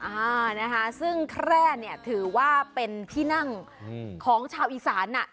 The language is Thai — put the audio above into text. อ่านะคะซึ่งแคร่เนี่ยถือว่าเป็นที่นั่งของชาวอีสานอ่ะ